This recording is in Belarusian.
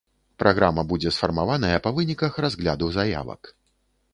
Праграма будзе сфармаваная па выніках разгляду заявак.